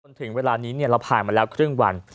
ถึงเวลานี้เราผ่านมาแล้วครึ่งวัน